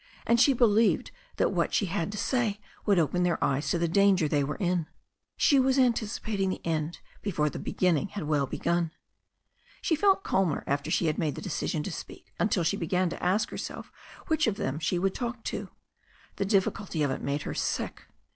And she believed that what she had to say would open their eyes to the danger they were in. She was anticipating the end before the beginning had well begun. She felt calmer after she had made the decision to speak until she began to ask herself which of them she would talk to. The difficulty of it made her sick.